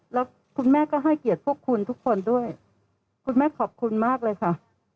แล้วคุณแม่ก็ให้เกียรติพวกคุณทุกคนด้วยคุณแม่ขอบคุณมากเลยค่ะ